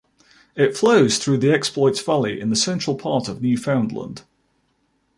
It flows through the Exploits Valley in the central part of Newfoundland.